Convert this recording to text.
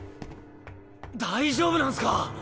大丈夫なんすか？